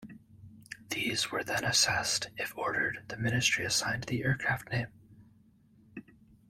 These were then assessed, if ordered the Ministry assigned the aircraft name.